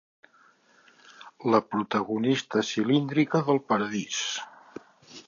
La protagonista cilíndrica del paradís.